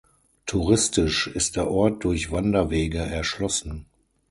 Touristisch ist der Ort durch Wanderwege erschlossen.